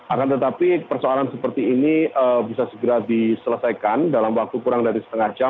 akan tetapi persoalan seperti ini bisa segera diselesaikan dalam waktu kurang dari setengah jam